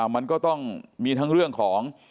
มันก็ต้องมีทั้งเรื่องของ